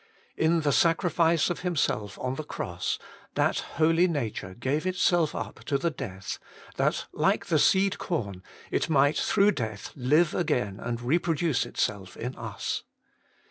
In the sacrifice of Himself on the cross, that holy nature gave itself up to the death, that, like the seed corn, it might through death live again and reproduce itself in us.